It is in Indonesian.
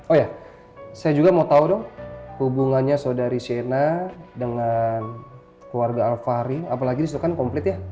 oh ya saya juga mau tahu dong hubungannya saudari shena dengan keluarga alfari apalagi disitu kan komplit ya